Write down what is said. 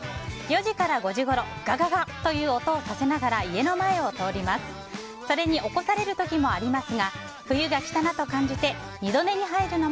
４時から５時ごろガガガという音をさせながら家の前を通ります。